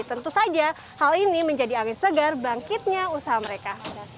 tentu saja hal ini menjadi angin segar bangkitnya usaha mereka